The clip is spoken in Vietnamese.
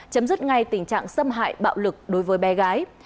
chấm dứt ngay tình trạng xâm hại bạo lực đối với bé gái